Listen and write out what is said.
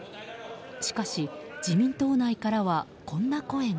しかし、自民党内からはこんな声が。